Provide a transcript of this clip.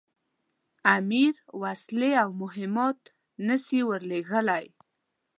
امیر وسلې او مهمات نه سي ورلېږلای.